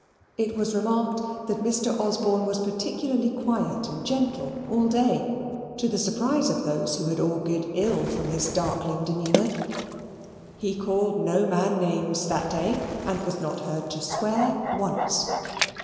It was remarked that Mr. Osborne was particularly quiet and gentle all day, to the surprise of those who had augured ill from his darkling demeanour. He called no man names that day, and was not heard to swear once.